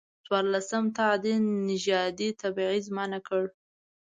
څورلسم تعدیل نژادي تبعیض منع کړ.